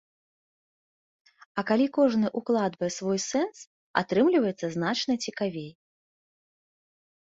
А калі кожны укладвае свой сэнс, атрымліваецца значна цікавей.